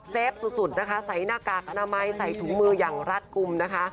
สุดนะคะใส่หน้ากากอนามัยใส่ถุงมืออย่างรัดกลุ่มนะคะ